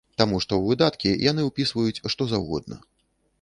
Таму што ў выдаткі яны ўпісваюць што заўгодна.